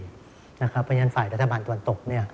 เพราะฉะนั้นฝ่ายรัฐบาลตะวันตก